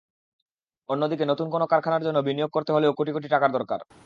অন্যদিকে নতুন কোনো কারখানার জন্য বিনিয়োগ করতে হলেও কোটি কোটি টাকার দরকার।